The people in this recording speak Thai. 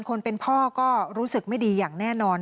คนเป็นพ่อก็รู้สึกไม่ดีอย่างแน่นอน